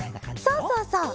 そうそうそう。